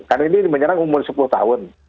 karena ini menyerang umur sepuluh tahun